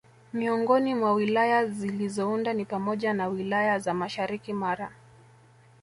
Miongoni mwa Wilaya zilizounda ni pamoja na wilaya za mashariki Mara